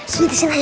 sini disini aja